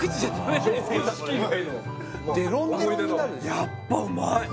やっぱうまい！